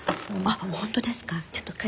あっ本当ですか。